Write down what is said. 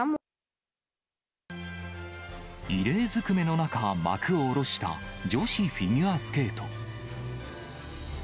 異例ずくめの中、幕を下ろした女子フィギュアスケート。